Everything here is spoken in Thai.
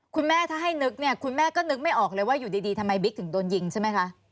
คุณแม่ถ้าให้นึกเนี่ยคุณแม่ก็นึกไม่ออกเลยว่าอยู่ดีทำไมบิ๊กถึงโดนยิงใช่ไหมคะ